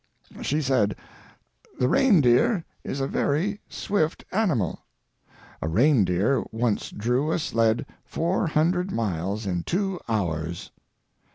She said: "The reindeer is a very swift animal. A reindeer once drew a sled four hundred miles in two hours."